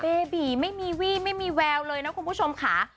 เบบีไม่มีวี่ไม่มีแววเลยนะคุณผู้ชมค่ะ